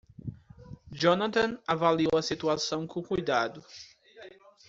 Johnathan avaliou a situação com cuidado.